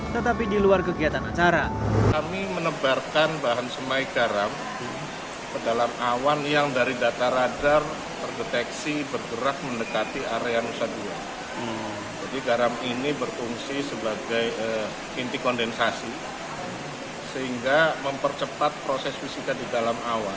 tetapi di luar kegiatan acara